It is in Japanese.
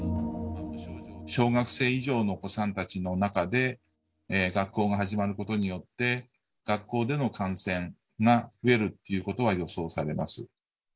小学生以上のお子さんたちの中で、学校が始まることによって、学校での感染が増えるっていうことは予想されます。